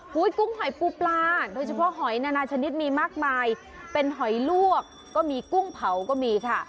กุ้งหอยปูปลาโดยเฉพาะหอยนานาชนิดมีมากมายเป็นหอยลวกก็มีกุ้งเผาก็มีค่ะ